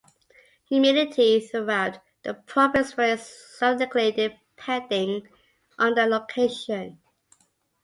Humidity throughout the province varies significantly, depending on the location.